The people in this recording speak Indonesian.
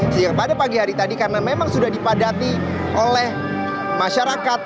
sejak pada pagi hari tadi karena memang sudah dipadati oleh masyarakat